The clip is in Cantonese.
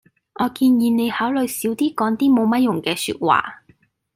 我建議你考慮少啲講啲冇乜用嘅說話